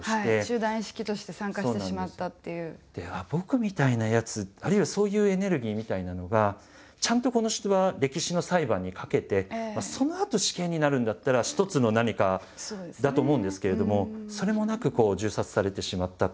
僕みたいなやつあるいはそういうエネルギーみたいなのがちゃんとこの人は歴史の裁判にかけてそのあと死刑になるんだったら一つの何かだと思うんですけれどもそれもなく銃殺されてしまった。